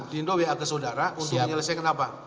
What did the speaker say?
dino wa ke saudara untuk menyelesaikan apa